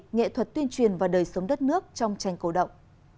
nghệ thuật tuyên truyền vào đời sống đất nước trong tranh cổ động